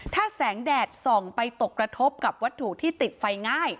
ถ้าแสงแดดส่องไปตกกระทบกับวัตถุที่ติดไฟง่าย